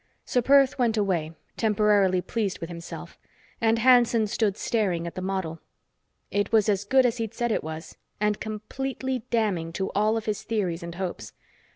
Ser Perth went away, temporarily pleased with himself, and Hanson stood staring at the model. It was as good as he'd said it was and completely damning to all of his theories and hopes.